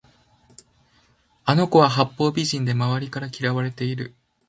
あの子は八方美人で周りから嫌われている